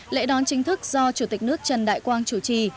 lễ đón chính thức do chủ tịch nước trần đại quang chủ trì